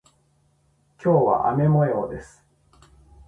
今日は雨模様です。